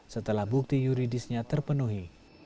setelah bukti yuridisnya terpenuhi